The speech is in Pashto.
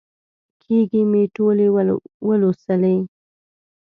کېږې مې ټولې ولوسلې.